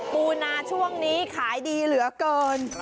ปูนาช่วงนี้ขายดีเหลือเกิน